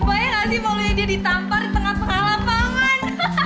bayang gak sih maksudnya dia ditampar di tengah pengalaman